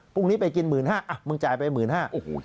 พรุ่งนี้ไปกินหมื่นห้าอ้ะมึงจ่ายไปหมื่นห้า